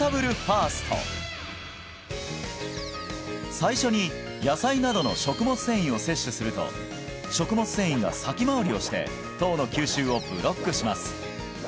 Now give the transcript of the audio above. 最初に野菜などの食物繊維を摂取すると食物繊維が先回りをして糖の吸収をブロックします